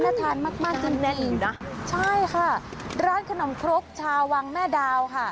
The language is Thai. ทานมากมากยิ่งแน่นเลยนะใช่ค่ะร้านขนมครกชาววังแม่ดาวค่ะ